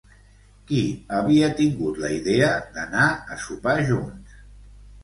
Qui havia tingut la idea d'anar a sopar junts?